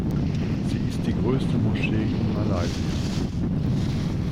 Sie ist die größte Moschee in Malaysia.